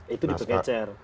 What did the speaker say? itu di pengecar